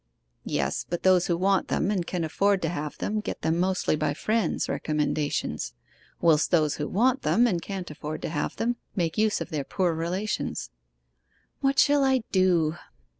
'Yes; but those who want them, and can afford to have them, get them mostly by friends' recommendations; whilst those who want them, and can't afford to have them, make use of their poor relations.' 'What shall I do?